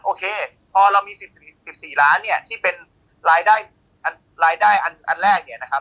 โอเคพอเรามี๑๔ล้านเนี่ยที่เป็นรายได้รายได้อันแรกเนี่ยนะครับ